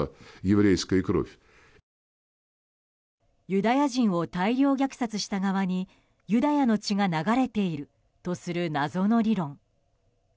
ユダヤ人を大量虐殺した側にユダヤの血が流れているとする謎の理論。